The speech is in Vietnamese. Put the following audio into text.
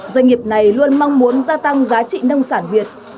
doanh nghiệp này luôn mong muốn gia tăng giá trị nông sản việt